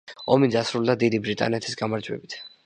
ომი დასრულდა დიდი ბრიტანეთის გამარჯვებით.